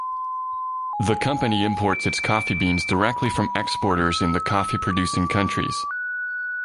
The company imports its coffee beans directly from exporters in the coffee producing countries.